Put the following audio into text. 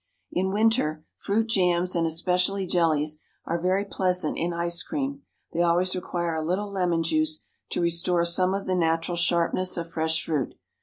In winter, fruit jams, and especially jellies, are very pleasant in ice cream; they always require a little lemon juice to restore some of the natural sharpness of fresh fruit.